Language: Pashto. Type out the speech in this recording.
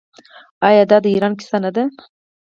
آیا دا د ایران کیسه نه ده؟